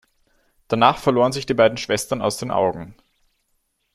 Danach verloren sich die beiden Schwestern aus den Augen.